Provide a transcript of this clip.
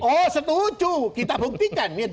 oh setuju kita buktikan